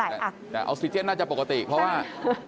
แต่ออกซิเจนน่าจะปกติเพราะว่า